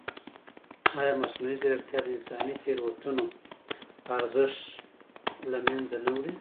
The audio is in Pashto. ایا مصنوعي ځیرکتیا د انساني تېروتنو ارزښت نه له منځه وړي؟